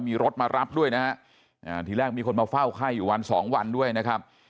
มีรถมารับด้วยนะฮะทีแรกมีคนมาเฝ้าไข้อยู่วันสองวันด้วยนะครับ